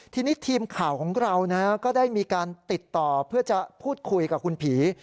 ทีนี้ทีมข่าวของเราก็ได้มีการติดต่อเพื่อจะพูดคุยกับคุณผี